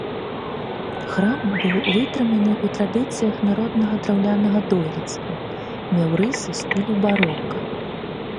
Храм быў вытрыманы ў традыцыях народнага драўлянага дойлідства, меў рысы стылю барока.